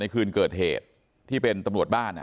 คืนเกิดเหตุที่เป็นตำรวจบ้าน